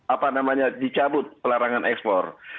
apa namanya dicabut pelarangan ekspor